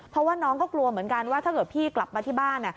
เพราะว่าน้องก็กลัวเหมือนกันว่าถ้าเกิดพี่กลับมาที่บ้าน